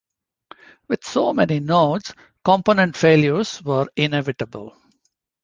With so many nodes, component failures were inevitable.